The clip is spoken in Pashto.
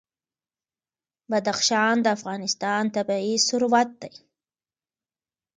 بدخشان د افغانستان طبعي ثروت دی.